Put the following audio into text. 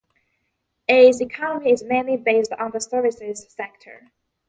Its economy is mainly based on the services sector.